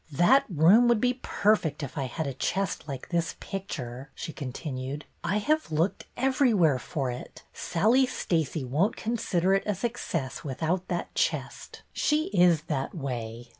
That room would be perfect if I had a chest like this picture," she continued. I have looked everywhere for it. Sallie Stacey won't consider it a success without that chest. She is that way."